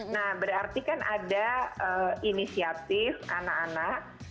nah berarti kan ada inisiatif anak anak